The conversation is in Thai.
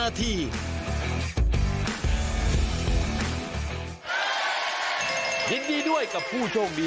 คาถาที่สำหรับคุณ